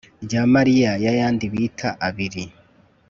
ry'amayira yayandi bita abiri